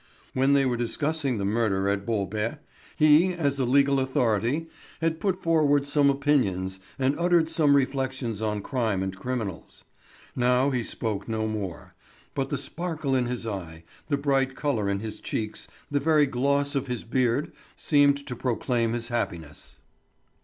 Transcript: When they were discussing the murder at Bolbec he, as a legal authority, had put forward some opinions and uttered some reflections on crime and criminals. Now he spoke no more; but the sparkle in his eye, the bright colour in his cheeks, the very gloss of his beard seemed to proclaim his happiness.